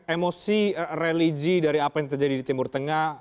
emosi religi dari apa yang terjadi di timur tengah